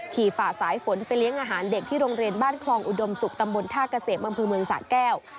ฝ่าสายฝนไปเลี้ยงอาหารเด็กที่โรงเรียนบ้านคลองอุดมศุกร์ตำบลท่าเกษมอำเภอเมืองสะแก้ว